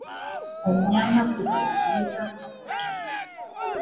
Mnyama kubadilika kwa tabia